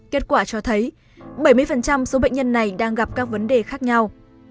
kết quả cho thấy bảy mươi số bệnh nhân này đang gặp các vấn đề khác nhau